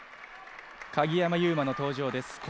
鍵山優真の登場です。